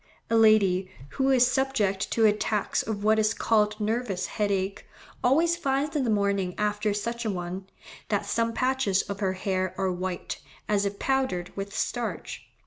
A lady "who is subject to attacks of what is called nervous headache, always finds in the morning after such an one, that some patches of her hair are white, as if powdered with starch.